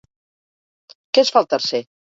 Què es fa al tercer?